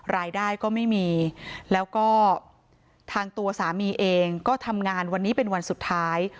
รายได้ก็ไม่มีแล้วก็ทางตัวสามีเองก็ทำงานวันนี้เป็นวันสุดท้าย